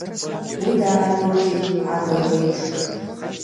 Уи даадәылҵит агагеиԥш…